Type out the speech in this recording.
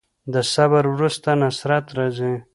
د صبر وروسته نصرت راځي.